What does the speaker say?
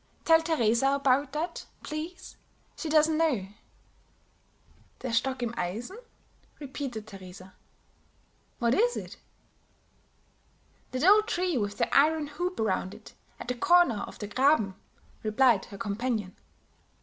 "Tell Teresa about that, please; she doesn't know." "Der Stock im Eisen?" repeated Teresa. "What is it?" "That old tree with the iron hoop around it, at the corner of the Graben," replied her companion.